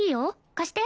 貸して。